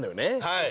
はい。